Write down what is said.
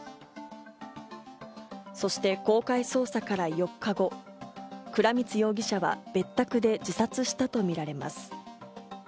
そして公開捜査から４日後、倉光容疑者は別宅で自殺したとみられています。